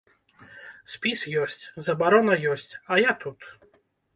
Спіс ёсць, забарона ёсць, а я тут.